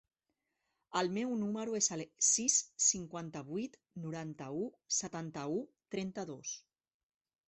El meu número es el sis, cinquanta-vuit, noranta-u, setanta-u, trenta-dos.